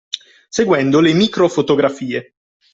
Seguendo le micro-fotografie